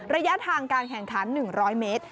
ระยะทางการแข่งขัน๑๐๐เมตร